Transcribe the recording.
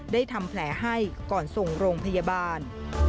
ทำแผลให้ก่อนส่งโรงพยาบาล